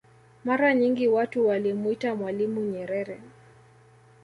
Mara nyingi watu walimwita mwalimu Nyerere